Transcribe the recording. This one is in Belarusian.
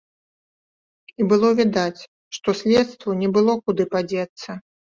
І было відаць, што следству не было куды падзецца.